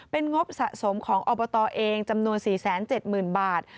เป็นงบสะสมของอบตเองจำนวนสี่แสนเจ็ดหมื่นบาท